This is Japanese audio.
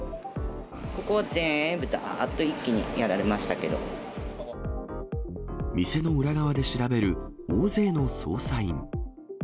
ここは全部、店の裏側で調べる大勢の捜査